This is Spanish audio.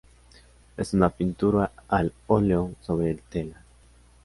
Es una pintura al óleo sobre tela.